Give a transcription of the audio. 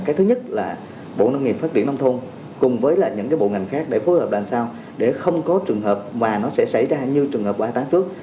cái thứ nhất là bộ nông nghiệp phát triển nông thôn cùng với những cái bộ ngành khác để phối hợp làm sao để không có trường hợp mà nó sẽ xảy ra như trường hợp ba tháng trước